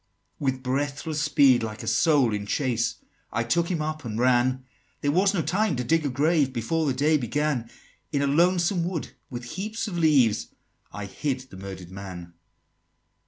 XXX. "With breathless speed, like a soul in chase, I took him up and ran; There was no time to dig a grave Before the day began: In a lonesome wood, with heaps of leaves, I hid the murder'd man!"